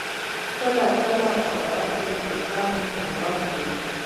کله کله حالات د تمي خلاف وي.